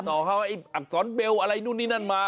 สอบคำว่าอักษรเบลอะไรนู่นนี่นั่นมา